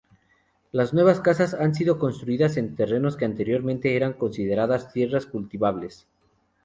Las nuevas casas han sido construidas en terrenos que anteriormente eran considerados tierras cultivables.